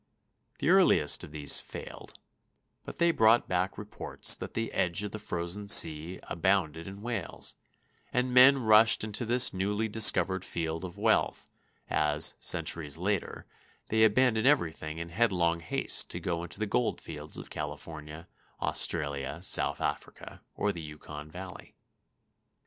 The earliest of these failed, but they brought back reports that the edge of the frozen sea abounded in whales, and men rushed into this newly discovered field of wealth, as, centuries later, they abandoned everything in headlong haste to go to the gold fields of California, Australia, South Africa or the Yukon Valley.